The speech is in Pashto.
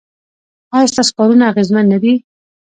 ایا ستاسو کارونه اغیزمن نه دي؟